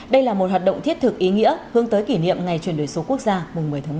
đây là một hoạt động thiết thực ý nghĩa hướng tới kỷ niệm ngày chuyển đổi số quốc gia mùng một mươi tháng một mươi